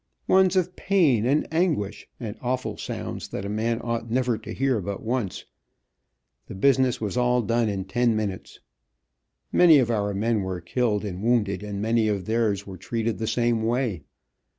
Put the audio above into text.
Ones of pain and anguish, and awful sounds that a man ought never to hear but once. The business was all done in ten minutes. Many of our men were killed and wounded, and many of theirs were treated the same way.